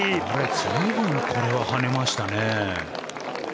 随分これは跳ねましたね。